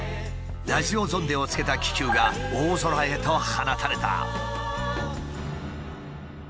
ラジオゾンデをつけた気球が大空へと放たれた。